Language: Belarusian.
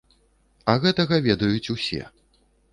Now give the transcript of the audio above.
А гэтага ведаюць усе.